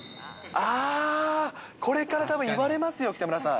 あー、これからたぶん言われますよ、北村さん。